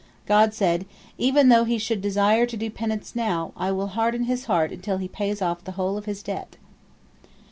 God said, "Even though he should desire to do penance now, I will harden his heart until he pays off the whole of his debt."